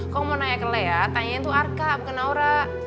kok mau nanya ke lea tanyain tuh arka bukan naura